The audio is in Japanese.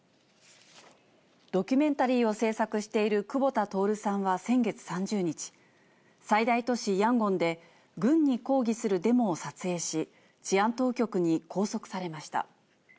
ドキュメンタリーを制作している久保田徹さんは先月３０日、最大都市ヤンゴンで、軍に抗議するデモを撮影し、治安当局に拘束されました。